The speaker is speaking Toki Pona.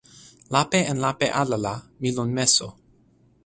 lape en lape ala la, mi lon meso.